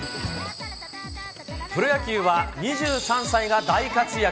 プロ野球は２３歳が大活躍。